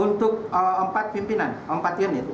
untuk empat pimpinan empat unit